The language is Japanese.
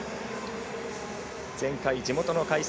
前回、地元の開催